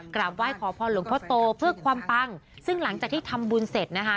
กราบไหว้ขอพรหลวงพ่อโตเพื่อความปังซึ่งหลังจากที่ทำบุญเสร็จนะคะ